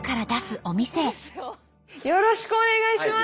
よろしくお願いします。